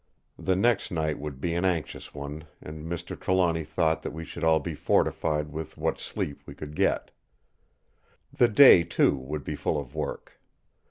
The next night would be an anxious one, and Mr. Trelawny thought that we should all be fortified with what sleep we could get. The day, too, would be full of work.